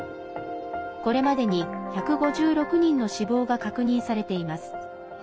これまでに１５６人の死亡が確認されています。